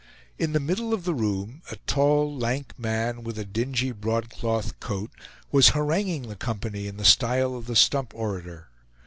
In the middle of the room a tall, lank man, with a dingy broadcloth coat, was haranguing the company in the style of the stump orator.